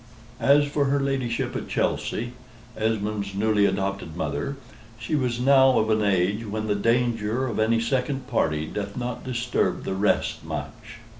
As for her ladyship at Chelsey, Esmond's newly adopted mother, she was now of an age when the danger of any second party doth not disturb the rest much.